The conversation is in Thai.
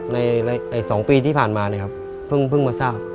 ในสองปีที่ผ่านมาเนี่ยครับเพิ่งมาเศร้า